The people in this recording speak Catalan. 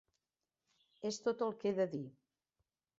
És tot el que he de dir!